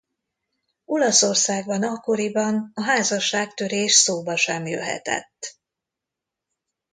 Olaszországban akkoriban a házasságtörés szóba sem jöhetett.